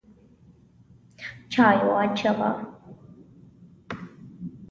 چای واچوه!